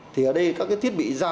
thì ở đây các cái thiết bị ra